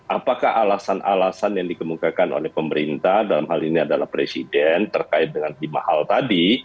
apakah alasan alasan yang dikemukakan oleh pemerintah dalam hal ini adalah presiden terkait dengan lima hal tadi